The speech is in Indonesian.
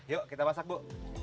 yuk kita masak bu